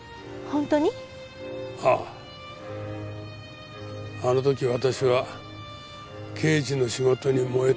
あの時私は刑事の仕事に燃えていた。